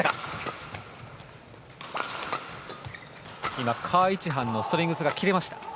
今、カ・イチハンのストリングスが切れました。